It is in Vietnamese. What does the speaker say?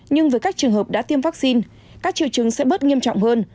nhưng với các trường hợp đã tiêm vaccine các triệu chứng sẽ bớt nghiêm trọng hơn